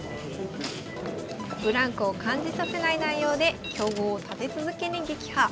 ブランクを感じさせない内容で強豪を立て続けに撃破。